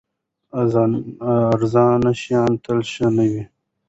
ارزانه شیان تل ښه نه وي.